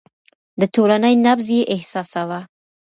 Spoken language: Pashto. د ټولنې نبض يې احساساوه.